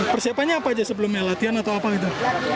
persiapannya apa aja sebelumnya latihan atau apa gitu